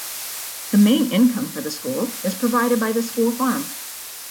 The main income for the school is provided by the school farm.